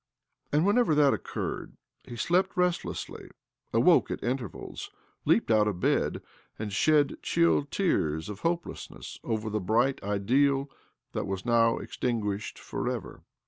And whenever that occurred he slept restlessly, awoke at intervals, leaped out of bed, and shed chill tears of hopelessness over the bright ideal that was now extinguished for ever.